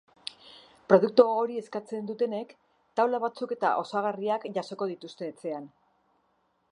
Produktu hori eskatzen dutenek taula batzuk eta osagarriak jasoko dituzte etxean.